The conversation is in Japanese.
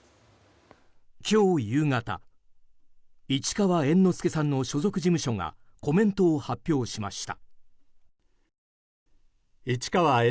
今日夕方、市川猿之助さんの所属事務所がコメントを発表しました。